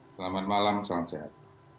selamat malam salam sehat